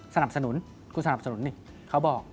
สนับสนุนคุณสนับสนุนนี่เขาบอก